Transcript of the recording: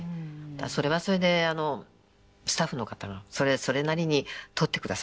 それはそれでスタッフの方がそれなりに撮ってくださったみたい。